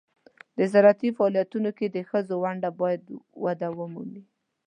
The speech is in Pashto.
د زراعتي فعالیتونو کې د ښځو ونډه باید وده ومومي.